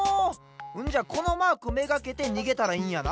んじゃこのマークめがけてにげたらいいんやな？